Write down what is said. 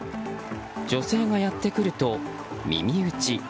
女性がやってくると、耳打ち。